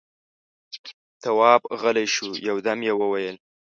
تواب غلی شو، يودم يې وويل: